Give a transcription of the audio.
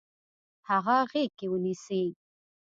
هغه غیږ کې ونیسئ.